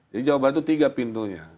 jawa barat itu tiga pintunya